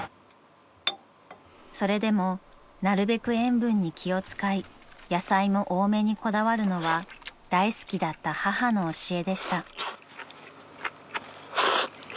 ［それでもなるべく塩分に気を使い野菜も多めにこだわるのは大好きだった母の教えでした］